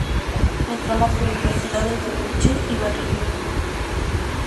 Entró en las universidades de Múnich y Berlín.